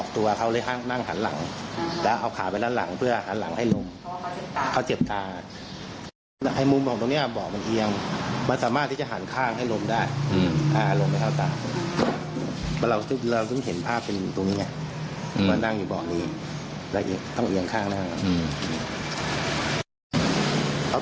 ต้องอยู่บอกนี้และต้องเอียงข้างนะครับ